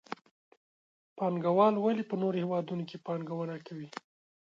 پانګوال ولې په نورو هېوادونو کې پانګونه کوي؟